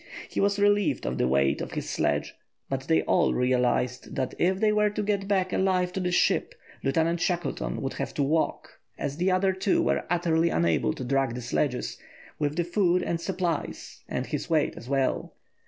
He was relieved of the weight of his sledge, but they all realised that if they were to get back alive to the ship, Lieutenant Shackleton would have to walk, as the other two were utterly unable to drag the sledges, with the food and supplies, and his weight as well.